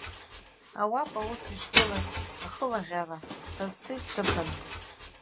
Ауапа ус ишгылаз, ахылаӷьара сазцеит сыԥаны.